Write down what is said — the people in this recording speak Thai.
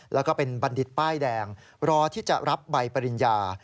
แล้วก็เป็นบัณฑิตป้ายแดงรอที่จะรับใบปริญญา